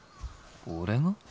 俺が？